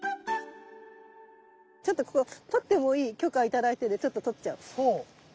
ちょっとここ取ってもいい許可頂いてるのでちょっと取っちゃおう。